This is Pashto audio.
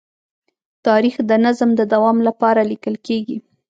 تاریخ د نظم د دوام لپاره لیکل کېږي.